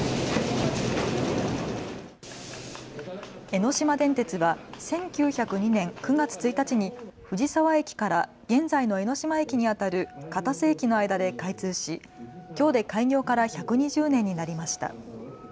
江ノ島電鉄は１９０２年９月１日に藤沢駅から現在の江ノ島駅にあたる片瀬駅の間で開通しきょうで開業から１２０年になりました。